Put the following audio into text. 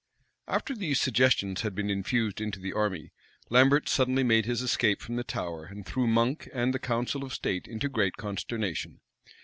After these suggestions had been infused into the army, Lambert suddenly made his escape from the Tower, and threw Monk and the council of state into great consternation.